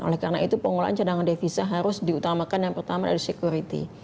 oleh karena itu pengelolaan cadangan devisa harus diutamakan yang pertama adalah security